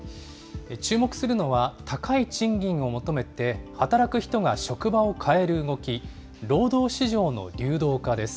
注目するのは、高い賃金を求めて働く人が職場を変える動き、労働市場の流動化です。